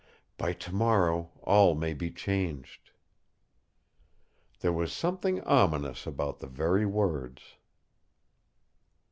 "By to morrow all may be changed." There was something ominous about the very words.